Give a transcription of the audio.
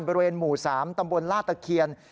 บริเวณหมู่๓ตำบลลาดตะเคียน